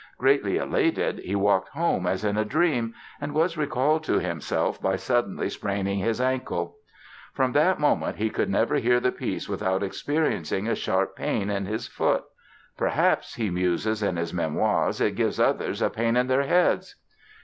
Greatly elated he walked home as in a dream and was recalled to himself by suddenly spraining his ankle. From that moment he could never hear the piece without experiencing a sharp pain in his foot. "Perhaps", he muses in his Memoirs, "it gives others a pain in their heads"!